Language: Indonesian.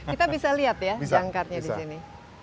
kita bisa lihat ya jangkarnya di sini